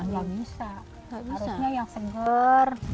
tidak bisa harusnya yang seger yang muda